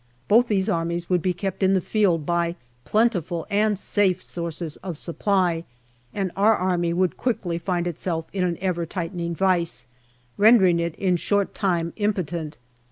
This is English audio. Both these armies would be kept in the field by plentiful and safe sources of supply, and our army would quickly find itself in an ever tightening vice, rendering it in a short time impotent.